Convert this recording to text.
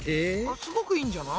すごくいいんじゃない？